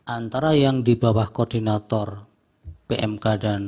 antara yang di bawah koordinator pmk dan